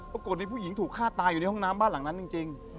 ปรากฏในผู้หญิงถูกฆ่าตายอยู่ในห้องน้ำบ้านหลังนั้นจริง